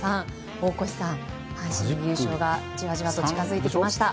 大越さん、阪神の優勝がじわじわと近づいてきました。